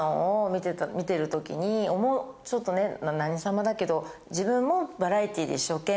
ちょっと何様だけど自分も。